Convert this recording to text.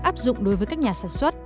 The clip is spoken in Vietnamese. áp dụng đối với các nhà sản xuất